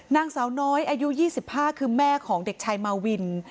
นางสาวน้อยอายุ๒๕คือแม่ของเด็กชายมาวิน